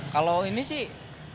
kalau ini sih